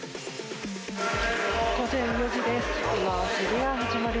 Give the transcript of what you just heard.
午前４時です。